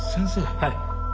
はい。